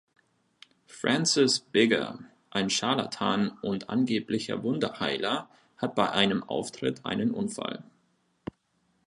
Francis Bigger, ein Scharlatan und angeblicher Wunderheiler, hat bei einem Auftritt einen Unfall.